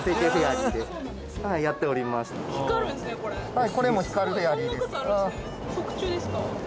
・はいこれも光るフェアリーです